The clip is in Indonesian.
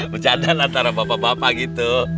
pecadaan antara bapak bapak gitu